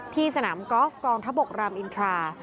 ที่สนามกอล์ฟกองทัพบกรามอินทรา